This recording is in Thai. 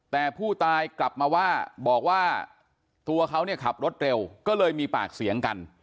แต่ผู้ตายกลับมาว่าบอกว่าตัวเขาเนี่ยขับรถเร็วก็เลยมีปากเสียงกัน